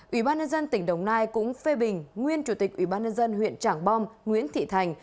ủy ban nhân dân tỉnh đồng nai cũng phê bình nguyên chủ tịch ủy ban nhân dân huyện trảng bom nguyễn thị thành